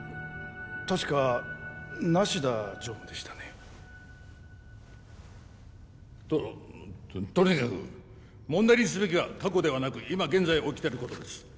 確か梨田常務でしたねととにかく問題にすべきは過去ではなく今現在起きてることです